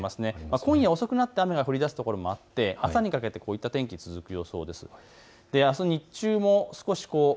今夜遅くなって雨が降りだすところもあって朝にかけてこういった天気が続く予想です